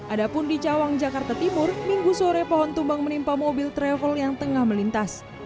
ada pun di cawang jakarta timur minggu sore pohon tumbang menimpa mobil travel yang tengah melintas